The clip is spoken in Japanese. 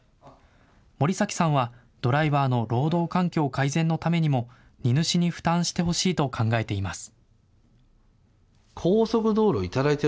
森崎さんは、ドライバーの労働環境改善のためにも、荷主に負担してほしいと考えています。